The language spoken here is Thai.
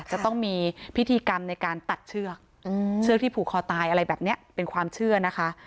จะต้องมีพิธีกรรมในการตัดเชือกเชือกที่ผูกคอตายอะไรแบบนี้เป็นความเชื่อนะคะ